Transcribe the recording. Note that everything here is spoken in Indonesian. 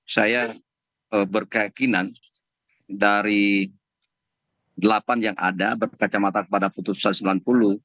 saya berkeyakinan dari delapan yang ada berkacamata kepada putusan sembilan puluh